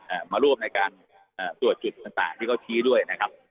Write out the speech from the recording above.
มาร่วมในการอ่าตรวจจุดต่างต่างที่เขาชี้ด้วยนะครับ